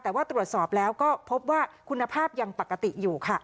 แต่ว่าตรวจสอบแล้วก็พบว่าคุณภาพยังปกติอยู่ค่ะ